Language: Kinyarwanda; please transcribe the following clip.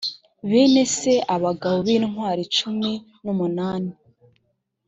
bene se abagabo b intwari cumi n umunani